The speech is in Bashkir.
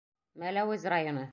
Мәләүез районы.